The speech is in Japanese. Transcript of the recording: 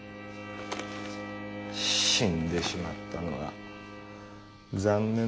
死んでしまったのは残念だなァ。